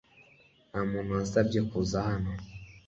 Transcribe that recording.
Nta muntu wansabye kuza hano .